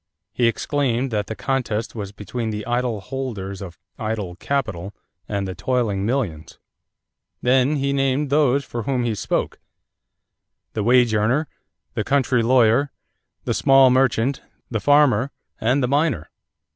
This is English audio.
He exclaimed that the contest was between the idle holders of idle capital and the toiling millions. Then he named those for whom he spoke the wage earner, the country lawyer, the small merchant, the farmer, and the miner.